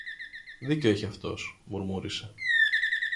Δίκιο έχει αυτός, μουρμούρισε.